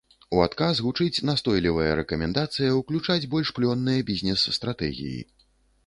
У адказ гучыць настойлівая рэкамендацыя ўключаць больш плённыя бізнес-стратэгіі.